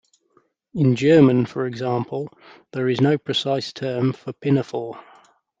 In German, for example, there is no precise term for pinafore.